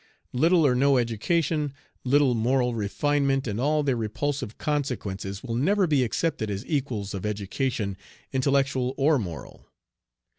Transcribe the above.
Little or no education, little moral refinement, and all their repulsive consequences will never be accepted as equals of education, intellectual or moral.